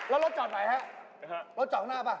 แล้วลดจอดไหนครับ